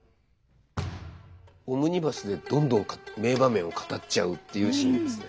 オムニバスでどんどん名場面を語っちゃうっていうシーンですね。